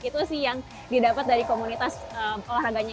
itu sih yang didapat dari komunitas olahraganya